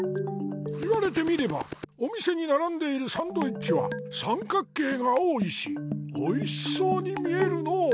言われてみればお店にならんでいるサンドイッチはさんかく形が多いしおいしそうに見えるのう。